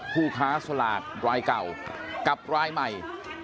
ผู้ค้าสลากรายเก่ากับรายใหม่